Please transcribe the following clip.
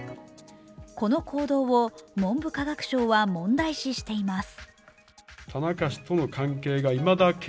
この行動を文部科学省は問題視しています。